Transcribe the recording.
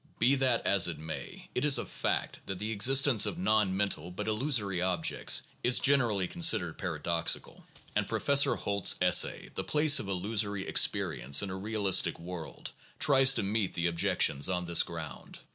Be that as it may, it is a fact that the existence of non mental but illusory objects is generally considered paradoxical; and Pro 212 THE JOURNAL OF PHILOSOPHY fessor Holt's essay, "The Place of Illusory Experience in a Eealistic World," tries to meet the objections on this ground.